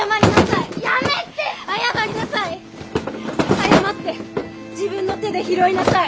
謝って自分の手で拾いなさい。